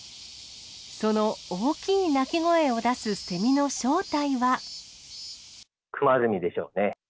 その大きい鳴き声を出すセミクマゼミでしょうね。